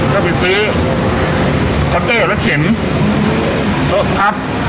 จะไปซื้อคอตเตอร์รสเข็นโท๊ะกาทับ